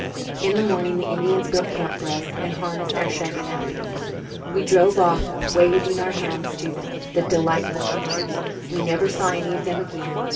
In the morning the Indians broke camp for us and harnessed our shaganappies. We drove off, waving our hands to them, the delightful creatures. We never saw any of them again.